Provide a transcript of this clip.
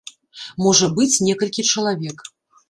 Можа быць, некалькі чалавек.